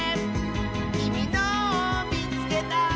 「きみのをみつけた！」